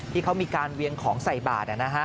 ที่เขามีการเวียงของใส่บาท